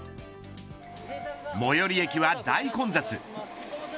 最寄り駅は大混雑。